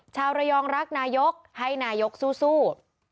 ชาวระยองรักนายกให้นายกสู้